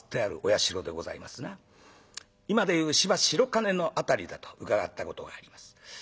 今で言う芝白金の辺りだと伺ったことがあります。